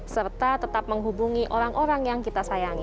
serta tetap menghubungi orang orang yang kita sayangi